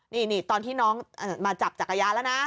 นี่ตอนที่น้องมาจับจักรยานแล้วนะ